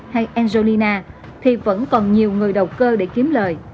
hay angonina thì vẫn còn nhiều người đầu cơ để kiếm lời